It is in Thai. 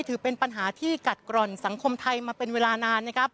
ถือเป็นปัญหาที่กัดกร่อนสังคมไทยมาเป็นเวลานานนะครับ